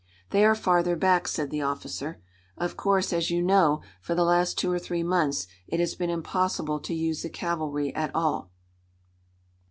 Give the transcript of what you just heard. "They are farther back," said the officer, "Of course, as you know, for the last two or three months it has been impossible to use the cavalry at all."